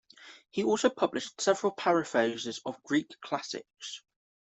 He also published several paraphrases of Greek classics.